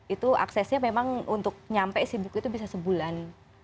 itu aksesnya memang untuk nyampe si buku itu bisa sebulan